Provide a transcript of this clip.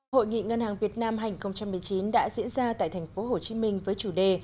hội nghị ngân hàng việt nam hành một mươi chín đã diễn ra tại tp hcm với chủ đề